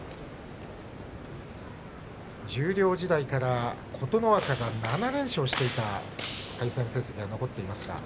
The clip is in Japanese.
十両時代から、琴ノ若が７連勝していた対戦成績が残っています。